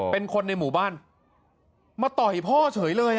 เป็นคนในหมู่บ้านมาต่อยพ่อเฉยเลย